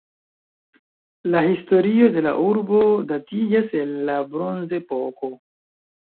La historio de la urbo datiĝas el la Bronzepoko.